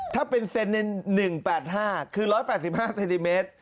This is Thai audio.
ถ้าเป็นเซนเนน๑๘๕คือ๑๘๕เซนติเมตร